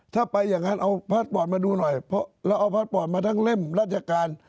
ถ้าไปอย่างนั้นเอาพาสปอร์ตมาดูหน่อยเพราะเราเอาพาสปอร์ตมาทั้งเล่มราชการ